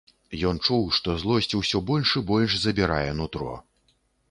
Ён чуў, што злосць усё больш і больш забірае нутро.